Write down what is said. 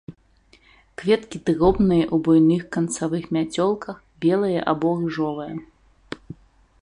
Кветкі дробныя ў буйных канцавых мяцёлках, белыя або ружовыя.